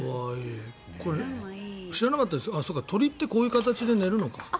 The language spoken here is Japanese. これ知らなかったんですけど鳥ってこういう形で寝るのか。